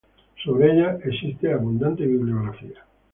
Sobre ella existe abundante bibliografía.